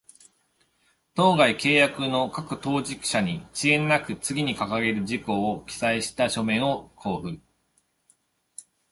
当該契約の各当事者に、遅滞なく、次に掲げる事項を記載した書面を交付